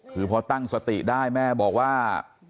คือพอตั้งสติได้แม่บอกว่า